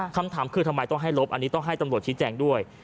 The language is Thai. คำถามคือทำไมต้องให้ลบอันนี้ต้องให้ตำรวจชี้แจงด้วย